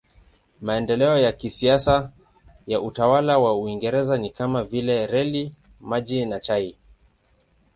Maendeleo ya kisasa ya utawala wa Uingereza ni kama vile reli, maji na chai.